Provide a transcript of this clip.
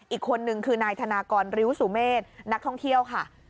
อีกคนนึงคือนายธนากรริ้วสุเมษนักท่องเที่ยวค่ะ